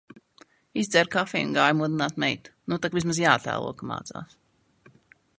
Izdzēru kafiju un gāju modināt meitu. Nu tak vismaz jātēlo, ka mācās.